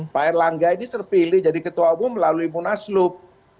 pak erlangga ini terpilih jadi ketua umum melalui munaslup